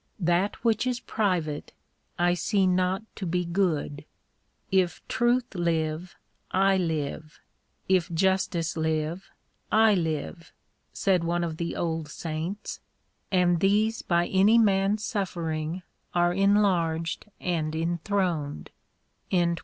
That which is private I see not to be good. " If truth live, I live ; if justice live, riive," said one of the old saints, and these by any man's suffering are enlarged and enthroned.